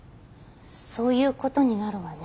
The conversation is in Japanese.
そういうことになるわね。